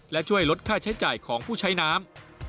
และช่วยลดค่าใช้จ่ายของผู้ใช้น้ำ